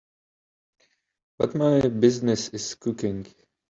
But my business is cooking.